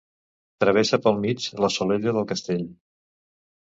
Travessa pel mig la Solella del Castell.